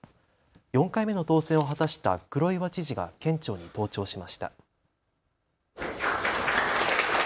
４回目の当選を果たした黒岩知事が県庁に登庁しました。